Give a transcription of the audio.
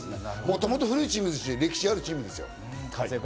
もともと古いチームですし、歴史のあるチームです。